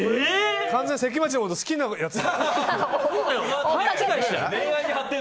完全に関町のこと好きなやつ。